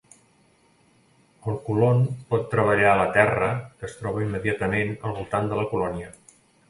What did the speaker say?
El colon pot treballar la terra que es troba immediatament al voltant de la colònia.